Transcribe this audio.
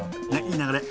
いい流れ。